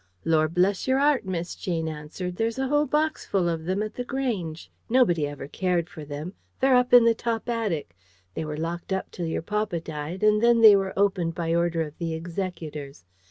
"Lor' bless your heart, miss," Jane answered, "there's a whole boxful of them at The Grange. Nobody ever cared for them. They're up in the top attic. They were locked till your papa died, and then they were opened by order of the executors.